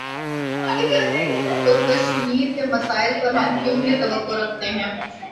تو کشمیر کے مسئلے پر ہم کیوں یہ توقع رکھتے ہیں۔